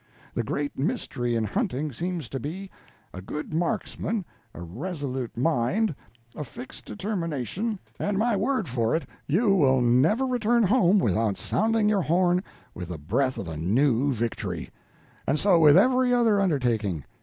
The great mystery in hunting seems to be a good marksman, a resolute mind, a fixed determination, and my word for it, you will never return home without sounding your horn with the breath of a new victory. And so with every other undertaking.